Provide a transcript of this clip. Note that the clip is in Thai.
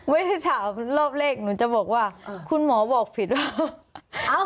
ไม่ได้ถามรอบแรกหนูจะบอกว่าคุณหมอบอกผิดว่า